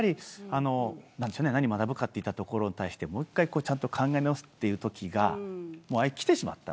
何を学ぶかといったところに対してもう一度、考え直すというときがきてしまった。